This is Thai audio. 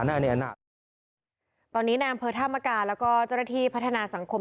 ตอนนี้นางเผลอธามการย์แล้วก็เจ้าหน้าที่พัฒนาสังคม